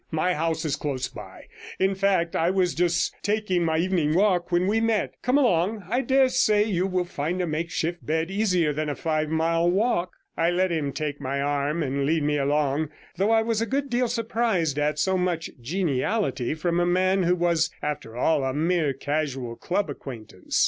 My house is close by; in fact, I was just taking my evening walk when we met. Come along; I dare say you will find a makeshift bed easier than a five mile walk.' I let him take my arm and lead me along, though I was a good deal surprised at so much geniality from a man who was, after all, a mere casual club acquaintance.